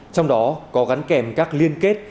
trong đó có gắn kèm các liên kết